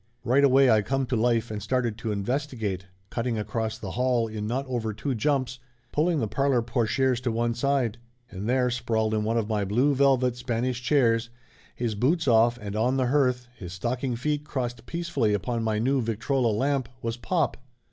Right away I come to life and started to investigate, cutting across the hall in not over two jumps, pulling the parlor portieres to one side. And there sprawled in one of my blue velvet Spanish chairs, his boots off and on the hearth, his stocking feet crossed peacefully upon my new victrola lamp, was pop!